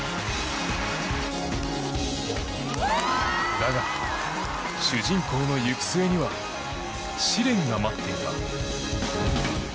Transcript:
だが、主人公の行く末には試練が待っていた。